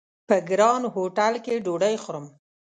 په ګران هوټل کې ډوډۍ خورم!